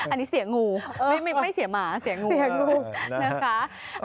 อันนี้เสียงูไม่เสียหมาเสียงูเสียงูนะคะ